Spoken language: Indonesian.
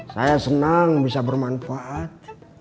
saya senang bisa bermanfaat